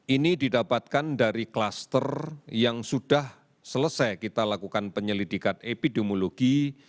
ini didapatkan dari kluster yang sudah selesai kita lakukan penyelidikan epidemiologi